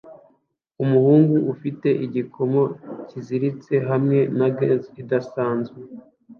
Umuhungu afite igikomo cyiziritse hamwe na gants idasanzwe